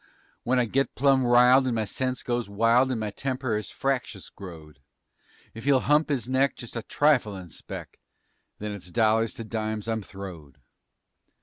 When I get plumb riled and my sense goes wild And my temper is fractious growed, If he'll hump his neck just a triflin' speck, Then it's dollars to dimes I'm throwed.